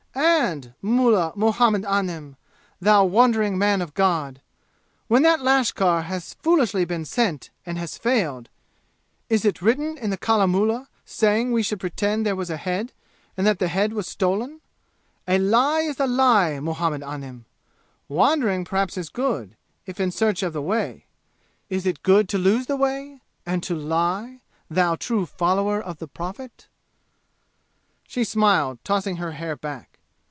"And mullah Muhammad Anim, thou wandering man of God when that lashkar has foolishly been sent and has failed, is it written in the Kalamullah saying we should pretend there was a head, and that the head was stolen? A lie is a lie, Muhammad Anim! Wandering perhaps is good, if in search of the way. Is it good to lose the way, and to lie, thou true follower of the Prophet?" She smiled, tossing her hair back.